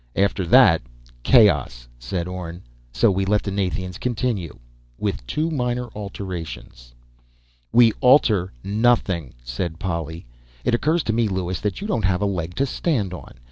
"After that: chaos," said Orne. "So we let the Nathians continue ... with two minor alterations." "We alter nothing," said Polly. "It occurs to me, Lewis, that you don't have a leg to stand on.